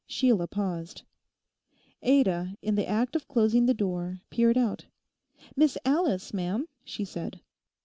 Sheila paused. Ada, in the act of closing the door, peered out. 'Miss Alice, ma'am,' she said.